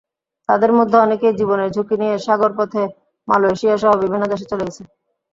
তাদের মধ্যে অনেকেই জীবনের ঝুঁকি নিয়ে সাগরপথে মালয়েশিয়াসহ বিভিন্ন দেশে চলে গেছে।